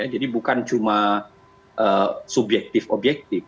jadi bukan cuma subjektif objektif